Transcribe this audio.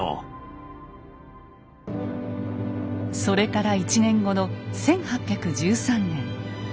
それから１年後の１８１３年。